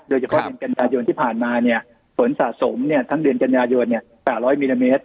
โดยเฉพาะเดือนกัญญาโยนที่ผ่านมาเนี่ยฝนสะสมเนี่ยทั้งเดือนกัญญาโยนเนี่ย๘๐๐มิลลิเมตร